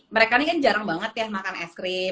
mereka ini kan jarang banget ya makan es krim